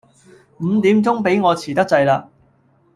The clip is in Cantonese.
五點鐘畀我遲得滯喇